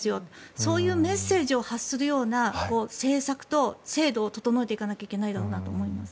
そういうメッセージを発するような政策と制度を整えていかなきゃいけないだろうなと思います。